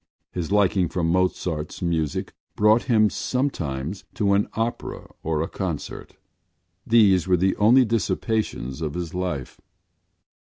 His liking for Mozart’s music brought him sometimes to an opera or a concert: these were the only dissipations of his life.